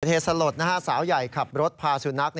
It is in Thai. เหตุสลดสาวใหญ่ขับรถพาสุนัข